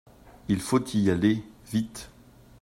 Il faut y aller, vite!